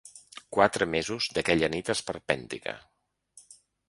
Quatre mesos d’aquella nit esperpèntica.